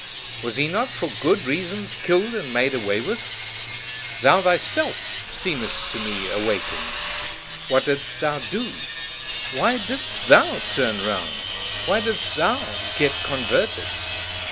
Was he not for good reasons killed and made away with? Thou thyself seemest to me awakened: what didst thou do? why didst THOU turn round? Why didst THOU get converted?